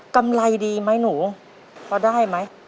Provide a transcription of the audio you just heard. กำไรดีไหมหนูพอได้ไหม